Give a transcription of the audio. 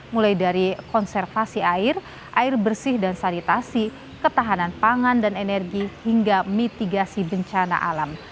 mulai dari konservasi air air air bersih dan sanitasi ketahanan pangan dan energi hingga mitigasi bencana alam